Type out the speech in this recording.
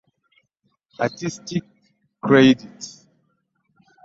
Artistic Credits